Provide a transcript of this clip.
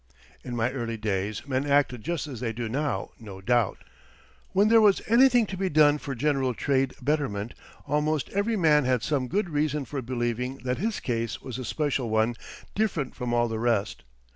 In my early days men acted just as they do now, no doubt. When there was anything to be done for general trade betterment, almost every man had some good reason for believing that his case was a special one different from all the rest.